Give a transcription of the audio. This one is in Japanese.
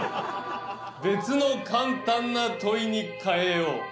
「別の簡単な問いに変えよう」。